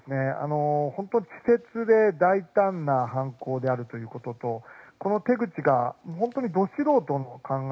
稚拙で大胆な犯行であるということとこの手口が本当にど素人の考え